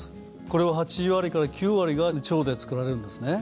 これは８割から９割が腸で作られるんですね。